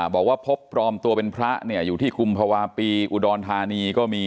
บอกว่าพบปลอมตัวเป็นพระเนี่ยอยู่ที่กุมภาวะปีอุดรธานีก็มี